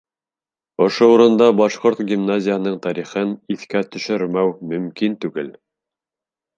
Ошо урында башҡорт гимназияһының тарихын иҫкә төшөрмәү мөмкин түгел.